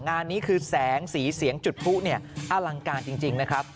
งานนี้คือแสงสีเสียงจุดผู้เนี่ยอลังการจริงนะครับ